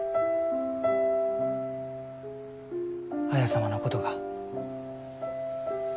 綾様のことが。